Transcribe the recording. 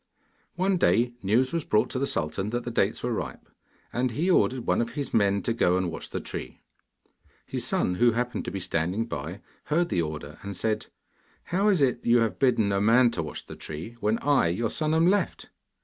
One day, news was brought to the sultan that the dates were ripe, and he ordered one of his men to go and watch the tree. His son, who happened to be standing by, heard the order, and he said: 'How is it that you have bidden a man to watch the tree, when I, your son, am left?